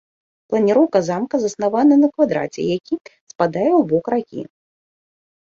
Планіроўка замка заснавана на квадраце, які спадае ў бок ракі.